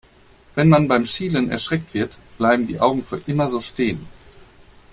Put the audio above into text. Wenn man beim Schielen erschreckt wird, bleiben die Augen für immer so stehen.